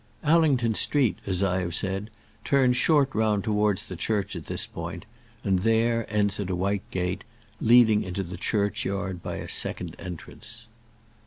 Allington Street, as I have said, turns short round towards the church at this point, and there ends at a white gate, leading into the churchyard by a second entrance.